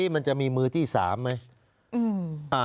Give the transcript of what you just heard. มันจะมีมือที่๓ไหม